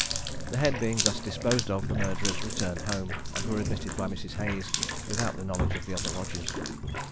The head being thus disposed of, the murderers returned home, and were admitted by Mrs. Hayes, without the knowledge of the other lodgers.